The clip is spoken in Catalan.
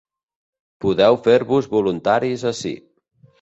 Podeu fer-vos voluntaris ací.